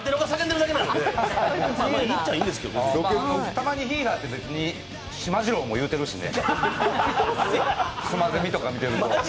たまにヒーハーってしまじろうも言うてるしね。